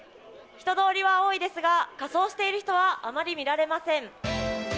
人通りは多いですが、仮装している人はあまり見られません。